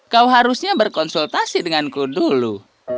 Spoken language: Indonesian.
kau harusnya berkonsultasi denganku dulu